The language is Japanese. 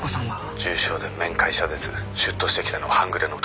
「重傷で面会謝絶」「出頭してきたのは半グレの男。